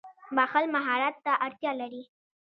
• بښل مهارت ته اړتیا لري.